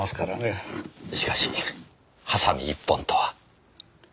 しかしハサミ一本とは。